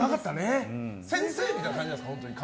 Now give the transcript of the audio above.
先生みたいな感じなんですか。